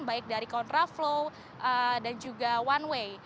baik dari kontraflow dan juga one way